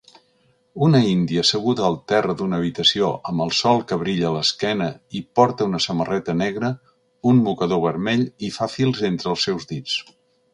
Una índia asseguda al terra d'una habitació amb el sol que brilla a l'esquena i porta una samarreta negra, un mocador vermell i fa fils enter els seus dits